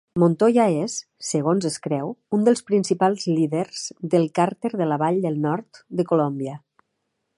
Montoya és, segons es creu, un dels principals líders del càrtel de la Vall del nord de Colòmbia.